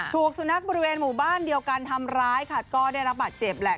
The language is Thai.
ถูกสุนัขบริเวณหมู่บ้านเดียวกันทำร้ายค่ะก็ได้รับบาดเจ็บแหละ